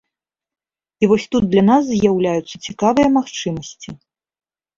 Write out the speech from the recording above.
І вось тут для нас з'яўляюцца цікавыя магчымасці.